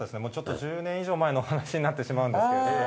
もうちょっと１０年以上前の話になってしまうんですけれども。